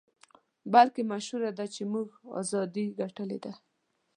بلکې مشهوره ده چې موږ ازادۍ ګټلې دي.